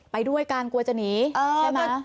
ไปด้วยกันกลัวจะหนีใช่ไหม